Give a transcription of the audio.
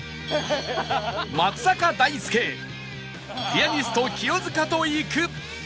松坂大輔ピアニスト清塚と行く